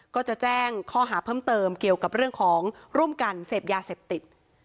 ก็จะแจ้งข้อหาเพิ่มเติมเกี่ยวกับเรื่องของร่วมกันเสพยาเสพติด